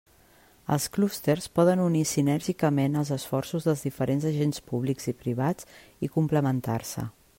Els clústers poden unir sinèrgicament els esforços dels diferents agents públics i privats i complementar-se.